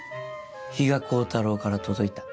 比嘉光太郎から届いた。